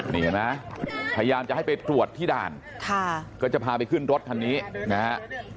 นี่เห็นไหมพยายามจะให้ไปตรวจที่ด่านค่ะก็จะพาไปขึ้นรถคันนี้นะฮะ